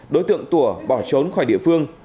đối tượng tủa bỏ trốn khỏi địa phương